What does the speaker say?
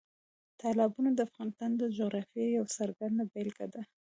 تالابونه د افغانستان د جغرافیې یوه څرګنده بېلګه ده.